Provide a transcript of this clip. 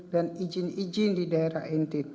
dan ini juga ada di daerah ntt